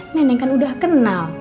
neneng kan udah kenal